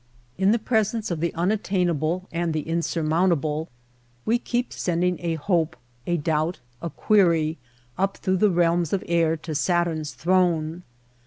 In the pres ence of the unattainable and the insurmount able we keep sending a hope, a doubt, a query, up through the realms of air to Saturn^s throne.